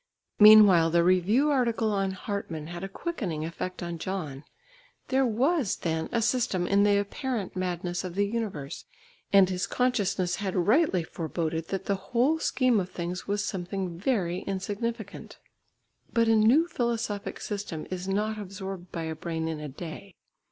Meanwhile the review article on Hartmann had a quickening effect on John. There was then a system in the apparent madness of the universe, and his consciousness had rightly foreboded that the whole scheme of things was something very insignificant. But a new philosophic system is not absorbed by a brain in a day.